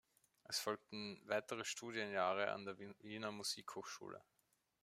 Es folgten weitere Studienjahre an der Wiener Musikhochschule.